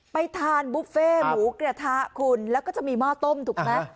ไปทานบุฟเฟ่หมูกระทะคุณแล้วก็จะมีหม้อต้มถูกไหม